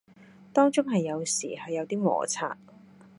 當中係有時係有啲磨擦